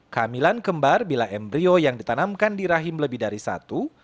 kehamilan kembar bila embryo yang ditanamkan di rahim lebih dari satu